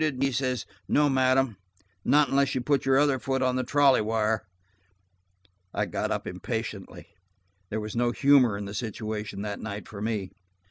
And he says, 'No, madam, not unless you put your other foot on the trolley wire.'" I got up impatiently. There was no humor in the situation that night for me.